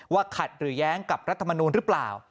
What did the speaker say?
ว่าขัดหรือย้างกับรัฐมนุนหรือเปล่า